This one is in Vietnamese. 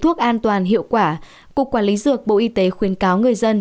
thuốc an toàn hiệu quả cục quản lý dược bộ y tế khuyến cáo người dân